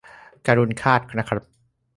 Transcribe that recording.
การุณฆาต นะครับ